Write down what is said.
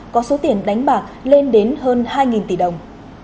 có số tiền đánh bạc lên đến hơn hai tỷ đồng